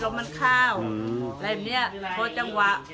ตอนนี้ก็ไม่มีเวลาให้กลับไป